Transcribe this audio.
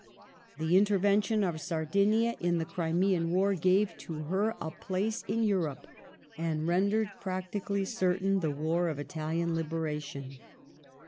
The in tervention of Sardinia in the Crimean War gave to her a place in Europe and rendered practically certain the war of Italian liber ation.